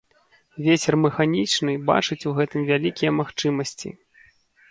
Вецер Мэханічны бачыць у гэтым вялікія магчымасьці